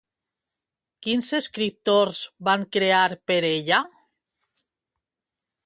Quins escriptors van crear per ella?